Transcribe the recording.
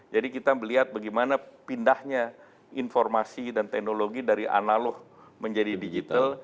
jadi kita melihat bagaimana pindahnya informasi dan teknologi dari analog menjadi digital